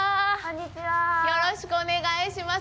よろしくお願いします。